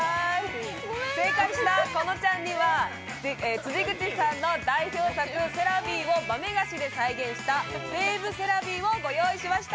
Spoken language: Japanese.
正解したこのちゃんには、辻口さんの代表作、セラヴィを豆菓子で再現したフェーヴ×セラヴィをご用意しました。